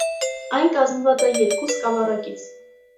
Այն կազմված է երկու սկավառակից։